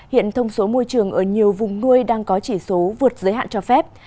hiện thông số môi trường ở nhiều vùng nuôi đang có chỉ số vượt giới hạn cho phép